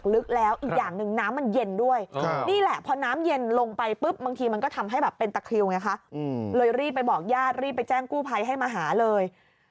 รีบไปบอกญาติรีบไปแจ้งกู้ภัยให้มาหาเลย